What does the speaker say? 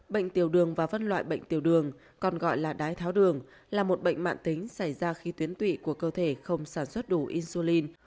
bệnh tiểu đường và phân loại bệnh tiểu đường còn gọi là đái tháo đường là một bệnh mạng tính xảy ra khi tuyến tụy của cơ thể không sản xuất đủ insulin